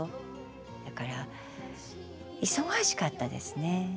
だから忙しかったですね。